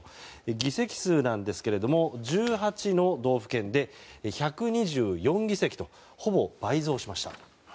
議席数なんですが１８の道府県で１２４議席とほぼ倍増しました。